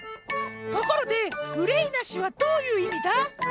ところで「うれいなし」はどういういみだ？